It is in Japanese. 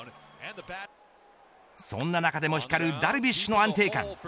そんな中でも光るダルビッシュの安定感。